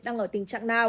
đang ở tình trạng nào